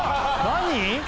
何？